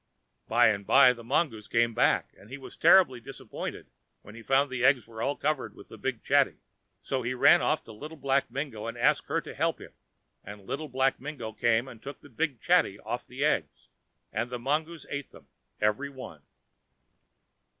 By and by the mongoose came back, and he was terribly disappointed when he found the eggs all covered with the big chatty. So he ran off to Little Black Mingo, and asked her to help him, and Little Black Mingo came and took the big chatty off the eggs, and the mongoose ate them, every one.